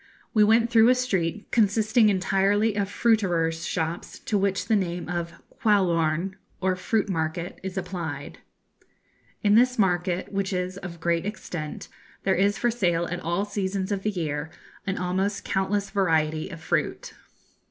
We went through a street, consisting entirely of fruiterers' shops, to which the name of Kwohlaorn, or fruit market, is applied. In this market, which is of great extent, there is for sale at all seasons of the year an almost countless variety of fruit.